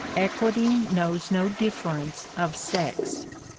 Equity knows no difference of sex.